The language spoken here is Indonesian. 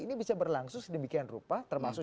ini bisa berlangsung sedemikian rupa termasuk